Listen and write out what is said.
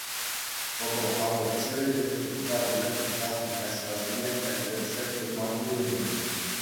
Хӑпӑл-хапӑл ҫирӗ те ҫуршар метр татнӑ каскасене эхлетсех ҫурма тытӑнчӗ.